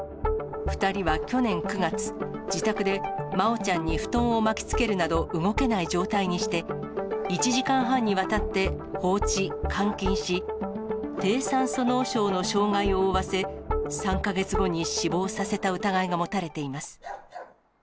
２人は去年９月、自宅で真愛ちゃんに布団を巻きつけるなど動けない状態にして、１時間半にわたって放置・監禁し、低酸素脳症の傷害を負わせ、３か月後に死亡させた疑いが持たれています。